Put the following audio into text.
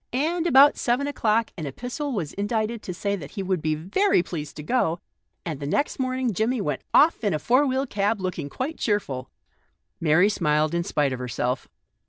And about seven o'clock an epistle was indited to say that he would be very pleased to go, and the next morning Jimmie went off in a four wheel cab, looking quite cheerful." Mary smiled in spite of herself.